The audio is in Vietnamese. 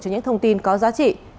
cho những thông tin có giá trị